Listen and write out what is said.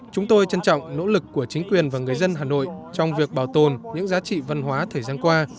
chúng tôi trân trọng nỗ lực của chính quyền và người dân hà nội trong việc bảo tồn những giá trị văn hóa thời gian qua